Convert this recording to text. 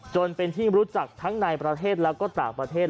จนเป็นที่รู้จักทั้งในประเทศแล้วก็ต่างประเทศ